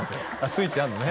スイッチあんのね